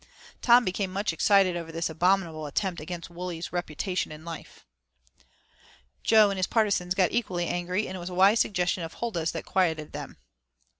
Tom became much excited over this abominable attempt against Wully's reputation and life. Jo and his partisans got equally angry, and it was a wise suggestion of Huldah's that quieted them.